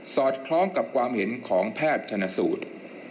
อดคล้องกับความเห็นของแพทย์ชนสูตร